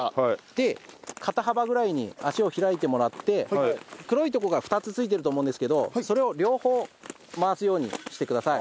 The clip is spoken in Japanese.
で肩幅ぐらいに足を開いてもらって黒いとこが２つ付いてると思うんですけどそれを両方回すようにしてください。